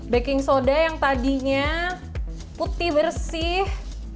baking soda yang tadinya putih bersih